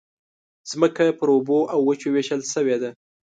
مځکه پر اوبو او وچو وېشل شوې ده.